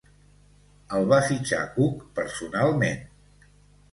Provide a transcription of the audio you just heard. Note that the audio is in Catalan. El va fitxar Cook personalment.